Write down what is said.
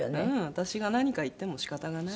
私が何か言っても仕方がないので。